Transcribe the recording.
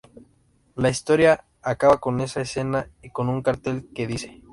La historia acaba con esa escena y con un cartel que dice